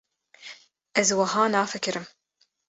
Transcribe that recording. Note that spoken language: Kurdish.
Ez wiha nafikirim.